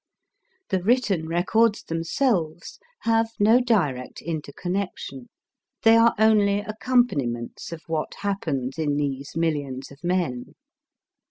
The written records themselves have no direct interconnection, they are only accompaniments of what happens in these millions of men.